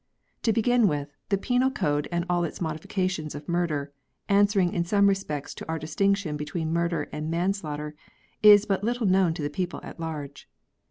To begin with, the Penal Code and all its modifications of murder, answering in some respects to our distinction between murder and man slaughter, is but little known to the people at large.